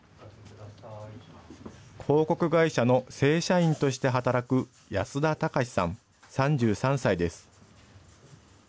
広告会社の正社員として働く、安田隆さん３３歳です。